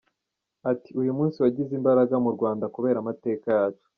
Ati “Uyu munsi wagize imbaraga mu Rwanda kubera amateka yacu.